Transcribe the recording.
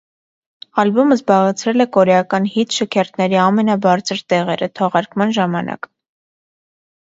Ալբոմը զբաղեցրել է կորեական հիթ շքերթների ամենաբարձր տեղերը թողարկման ժամանակ։